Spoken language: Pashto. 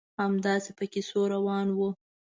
همداسې په کیسو روان وو.